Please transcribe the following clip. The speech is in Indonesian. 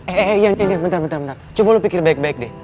eh eh eh bentar bentar coba lu pikir baik baik deh